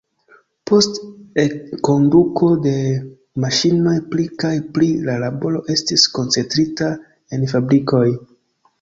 Post enkonduko de maŝinoj pli kaj pli la laboro estis koncentrita en fabrikoj.